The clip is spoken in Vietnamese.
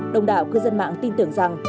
đồng đảo cư dân mạng tin tưởng rằng